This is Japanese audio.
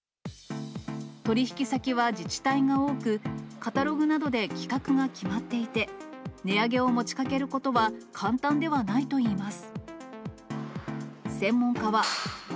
取り引き先は自治体が多く、カタログなどで規格が決まっていて、値上げを持ちかけることは簡単ではないといいます。